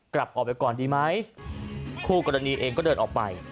กลับออกไปก่อนดีไหมคู่กรณีเองก็เดินออกไป